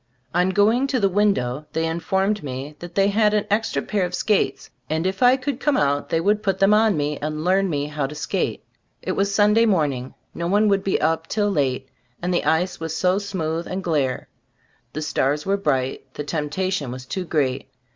On going to the window, they in formed me that they had an extra pair of skates and if I could come out they would put them on me and "learn" me how to skate. It was Sunday morning ; no one would be up till late, and the ice was so smooth and "glare." The stars were bright, the temptation was too great.